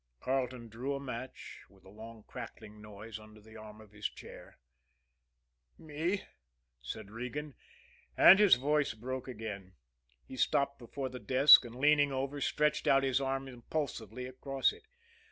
Carleton drew a match, with a long crackling noise, under the arm of his chair. "Me?" said Regan, and his voice broke again. He stopped before the desk, and, leaning, over, stretched out his arm impulsively across it.